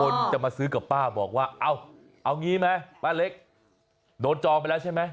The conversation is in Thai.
แล้วเขาบอกว่าเอางี้ไหมป้าเล็กโดนจองไปแล้วใช่ไหม